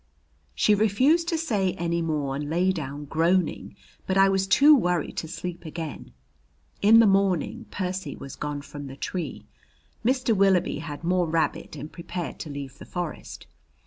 She refused to say any more and lay down groaning. But I was too worried to sleep again. In the morning Percy was gone from the tree. Mr. Willoughby had more rabbit and prepared to leave the forest.